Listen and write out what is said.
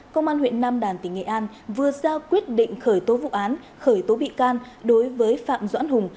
công an huyện nam đàn tỉnh nghệ an vừa ra quyết định khởi tố vụ án khởi tố bị can đối với phạm doãn hùng